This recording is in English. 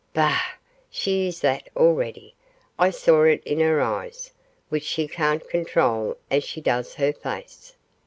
Bah! she is that already; I saw it in her eyes, which she can't control as she does her face.